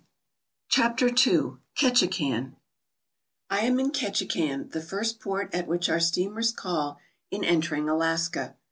CHAPTER II KETCHIKAN I AM in Ketchikan, the first port at which our steamers call in entering Alaska.